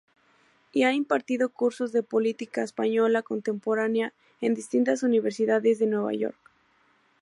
Y ha impartido cursos de política española contemporánea en distintas Universidades de Nueva York.